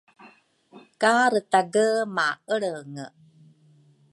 Ka Retage maelrenge